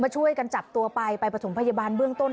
ช่วยกันจับตัวไปไปประถมพยาบาลเบื้องต้น